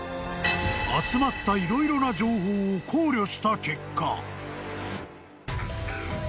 ［集まった色々な情報を考慮した結果］